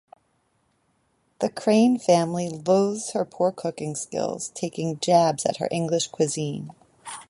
The Crane family loathes her poor cooking skills, taking jabs at English cuisine.